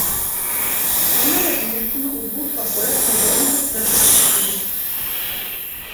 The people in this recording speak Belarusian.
Яна размешчана ў двух пакоях раённага цэнтра культуры.